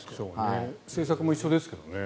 制作も一緒ですけどね。